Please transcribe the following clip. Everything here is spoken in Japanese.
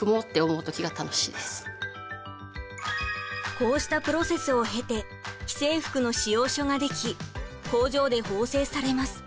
こうしたプロセスを経て既製服の仕様書ができ工場で縫製されます。